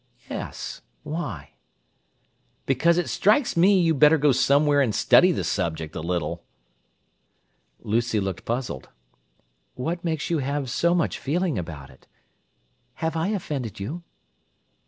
"Yes. Why?" "Because it strikes me you better go somewhere and study the subject a little!" Lucy looked puzzled. "What makes you have so much feeling about it? Have I offended you?"